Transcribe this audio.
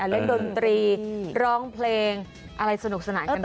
เล่นดนตรีร้องเพลงอะไรสนุกสนานกันได้